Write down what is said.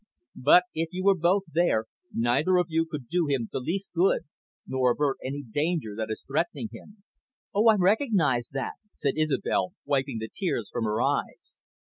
But, if you were both there, neither of you could do him the least good, nor avert any danger that is threatening him." "Oh, I recognise that," said Isobel, wiping the tears from her eyes.